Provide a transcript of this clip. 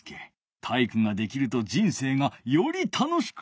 体育ができると人生がより楽しくなるじゃろ。